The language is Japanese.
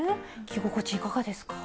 着心地いかがですか？